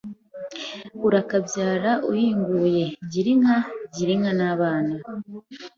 urakabyara uhinguye, gira inka, gira inka n’abana,